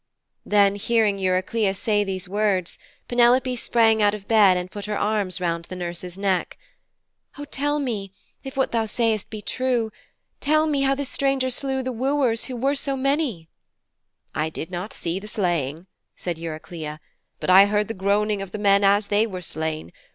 Then hearing Eurycleia say these words, Penelope sprang out of bed and put her arms round the nurse's neck. 'O tell me if what thou dost say be true tell me how this stranger slew the wooers, who were so many.' 'I did not see the slaying,' Eurycleia said, 'but I heard the groaning of the men as they were slain.